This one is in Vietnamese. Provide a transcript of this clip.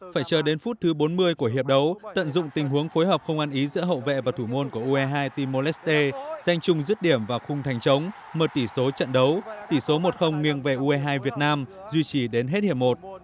phải chờ đến phút thứ bốn mươi của hiệp đấu tận dụng tình huống phối hợp không ăn ý giữa hậu vệ và thủ môn của ue hai timor leste danh chung giết điểm vào khung thành chống mở tỷ số trận đấu tỷ số một nghiêng về ue hai việt nam duy trì đến hết hiệp một